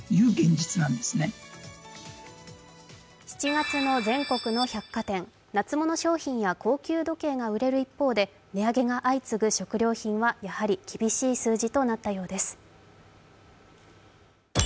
７月の全国の百貨店、夏物商品や高級時計が売れる一方で値上げが相次ぐ食料品は、やはり厳しい数字となったようです。